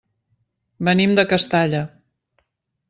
Venim de Castalla.